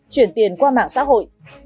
chuyển tiền qua mạng xã hội